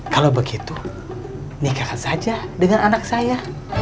kalau begitu nikahkan saja dengan anak saya